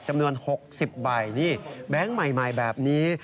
จำนวน๖๐ใบนี่แบงค์ใหม่แบบนี้